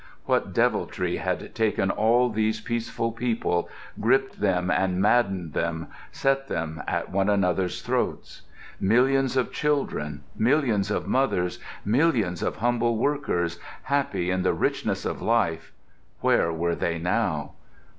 What deviltry had taken all these peaceful people, gripped them and maddened them, set them at one another's throats? Millions of children, millions of mothers, millions of humble workers, happy in the richness of life—where were they now?